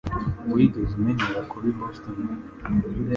Wigeze umenyera kuba i Boston?